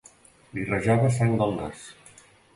Li rajava sang del nas.